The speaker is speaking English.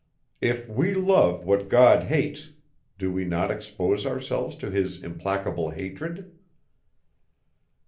If we love what God hates, do we not expose ourselves to his implacable hatred?